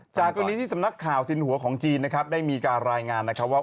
จากวันนี้ที่สำนักข่าวศิลป์หัวของจีนได้มีการรายงานว่า